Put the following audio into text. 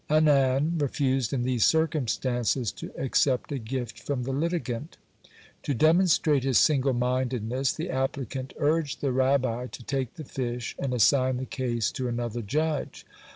Anan refused in these circumstances to accept a gift from the litigant. To demonstrate his single mindedness, the applicant urged the Rabbit to take the fish and assign the case to another judge.